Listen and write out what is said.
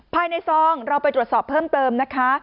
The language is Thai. ซองเราไปตรวจสอบเพิ่มเติมนะคะ